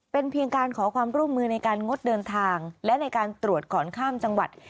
เป็นเพียงการขอความร่วมมือในการงดเดินทางและในการตรวจก่อนข้ามจังหวัด